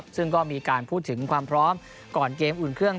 ซึ่งก็มีการพูดถึงความพร้อมก่อนเกมอุ่นเครื่อง